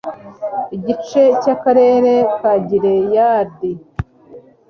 igice cy akarere ka gileyadi